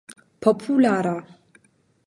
populara